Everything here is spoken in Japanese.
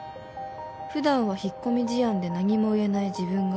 「普段は引っ込み思案で何も言えない自分が」